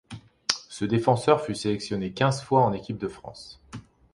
Ce défenseur fut sélectionné quinze fois en équipe de France.